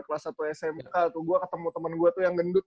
kelas satu smk tuh gue ketemu temen gue tuh yang gendut